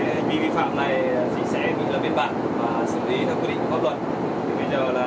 bây giờ là lực lượng của an sẽ lập biên bản với cái vi của anh